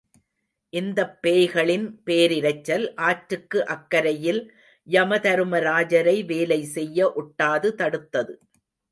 இந்தப் பேய்களின் பேரிரைச்சல் ஆற்றுக்கு அக்கரையில் யமதருமராஜரை வேலை செய்ய ஒட்டாது தடுத்தது.